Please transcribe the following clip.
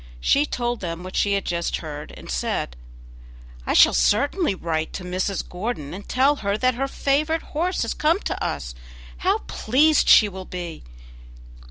She told them what she had just heard, and said: "I shall certainly write to Mrs. Gordon, and tell her that her favorite horse has come to us. How pleased she will be!"